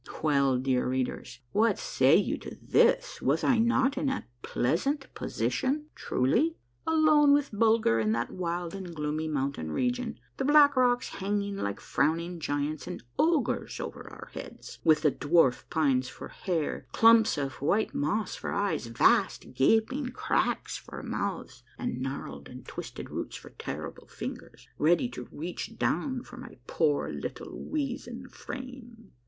Well, dear readers, what say ye to this? Was I not in a pleasant position truly ? Alone with Bulger in that wild and gloomy mountain region, the black rocks hanging like frowning giants and ogres over our heads, with the dwarf pines for hair, clumps of white moss for eyes, vast, gaping cracks for mouths, and gnarled and twisted roots for terrible fingers, ready to reach down for my poor little weazen frame.